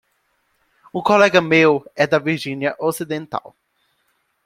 Um colega meu é da Virgínia Ocidental.